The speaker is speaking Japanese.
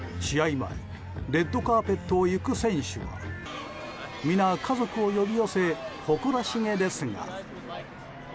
前レッドカーペットを行く選手は皆、家族を呼び寄せ誇らしげですが。